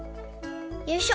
よいしょ！